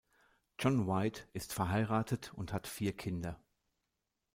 John White ist verheiratet und hat vier Kinder.